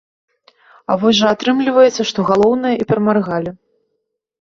А вось жа атрымліваецца, што галоўнае і прамаргалі.